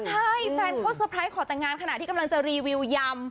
ใช่แฟนเขาเตอร์ไพรส์ขอแต่งงานขณะที่กำลังจะรีวิวยำ